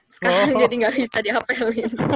sekarang jadi gak bisa diapelin